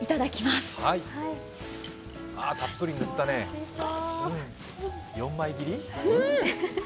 たっぷり塗ったね、４枚切り？